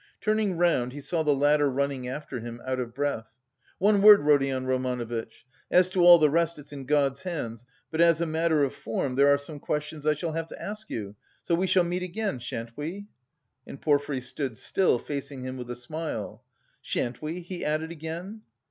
Turning round, he saw the latter running after him, out of breath. "One word, Rodion Romanovitch; as to all the rest, it's in God's hands, but as a matter of form there are some questions I shall have to ask you... so we shall meet again, shan't we?" And Porfiry stood still, facing him with a smile. "Shan't we?" he added again.